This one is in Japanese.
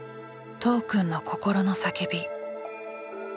都央くんの心の叫び。